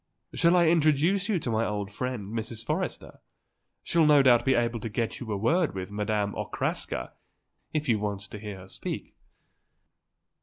"Shall I introduce you to my old friend, Mrs. Forrester? She'll no doubt be able to get you a word with Madame Okraska, if you want to hear her speak."